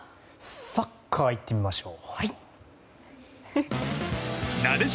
サッカーいってみましょう。